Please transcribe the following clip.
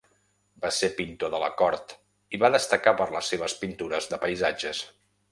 Va ser pintor de la cort i va destacar per les seves pintures de paisatges.